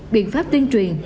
biện pháp tuyên truyền